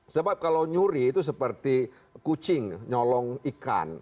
sebab kalau nyuri itu seperti kucing nyolong ikan